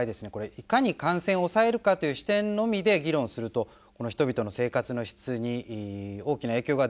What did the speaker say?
いかに感染を抑えるかという視点のみで議論すると人々の生活の質に大きな影響が出る。